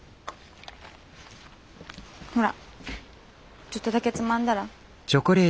ほらちょっとだけつまんだら？